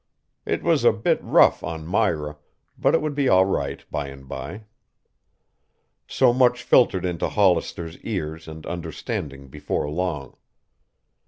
It was a bit rough on Myra, but it would be all right by and by. So much filtered into Hollister's ears and understanding before long.